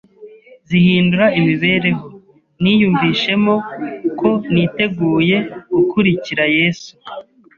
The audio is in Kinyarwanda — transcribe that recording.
zihindura imibereho, niyumvishemo ko niteguye gukurikira Yesu